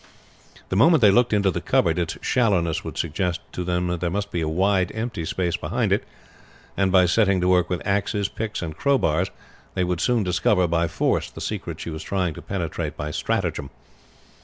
The moment they looked into the cupboard, its shallowness would suggest to them that there must be a wide empty space behind it, and by setting to work with axes, picks, and crowbars, they would soon discover by force the secret she was trying to penetrate by stratagem.